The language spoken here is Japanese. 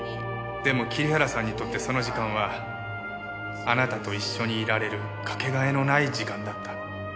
でも桐原さんにとってその時間はあなたと一緒にいられるかけがえのない時間だった。